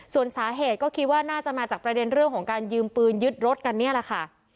ส่วนสาเหตุก็คิดว่าน่าจะมาจากประเด็นเรื่องของการยืมปืนยึดรถกันนี่แหละค่ะ